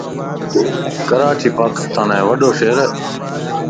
ڪراچي پاڪستانءَ جو وڏو شھر ا